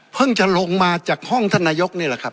จะลงมาจากห้องท่านนายกนี่แหละครับ